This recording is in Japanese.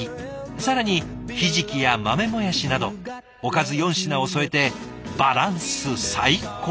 更にひじきや豆もやしなどおかず４品を添えてバランス最高。